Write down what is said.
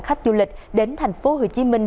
khách du lịch đến thành phố hồ chí minh